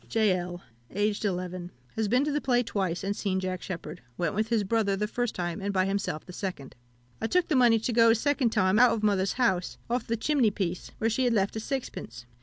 "J. L. (aged 11). Has been to the play twice, and seen Jack Sheppard. Went with his brother the first time, and by himself the second. I took the money to go a second time out of mother's house, off the chimney piece, where she had left a sixpence.